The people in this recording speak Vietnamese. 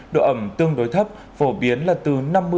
độ ẩm tương đối thấp phổ biến là từ năm mươi sáu mươi năm